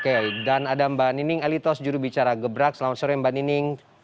oke dan ada mbak nining elitos jurubicara gebrak selamat sore mbak nining